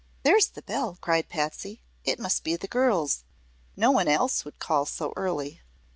"There's the bell!" cried Patsy. "It must be the girls. No one else would call so early."